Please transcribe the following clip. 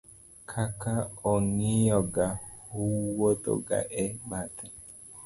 ka ka ong'iyo ga owuodho ga e bathe